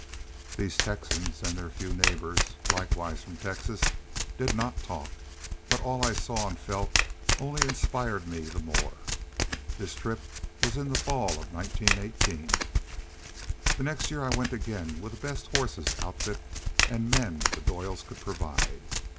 These Texans and their few neighbors, likewise from Texas, did not talk. But all I saw and felt only inspired me the more. This trip was in the fall of 1918. The next year I went again with the best horses, outfit, and men the Doyles could provide.